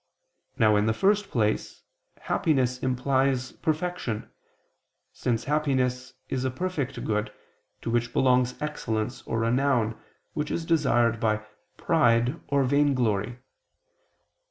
Now in the first place happiness implies perfection, since happiness is a perfect good, to which belongs excellence or renown, which is desired by pride or _vainglory.